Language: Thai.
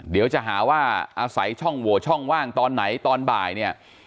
เดี๋ยวจะหาว่าอาศัยช่องโหวตช่องว่างตอนไหนตอนบ่ายเนี่ย